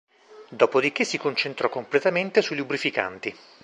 Dopodiché si concentrò completamente sui lubrificanti.